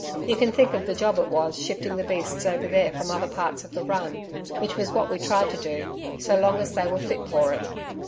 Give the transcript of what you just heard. You can think of the job it was shifting the beasts over there from other parts of the run which was what we tried to do, so long as they were fit for it.